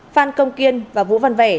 phan công kiên và vũ văn vẻ